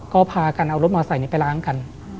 ก็พากันเอารถมอไซค์นี้ไปล้างกัน